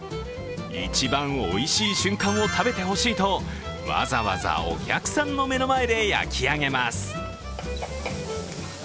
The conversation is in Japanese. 一番おいしい瞬間を食べてほしいとわざわざお客さんの目の前で焼き上げます。